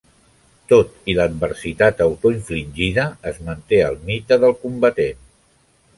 Tot i l'adversitat autoinfligida, es manté el mite del "combatent".